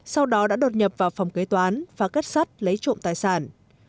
sau đó đã đột nhập vào phòng kế toán và cất sắt lấy trộm tài sản